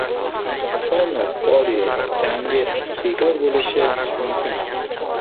Konor - Porye jangi bekor bo‘lishi mumkin